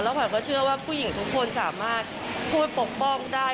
แล้วผมก็เชื่อว่าผู้หญิงทุกคนจะมาพูดปกป้องได้